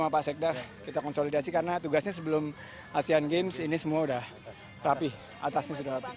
pemacetan dan pemacetan